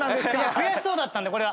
悔しそうだったのでこれは。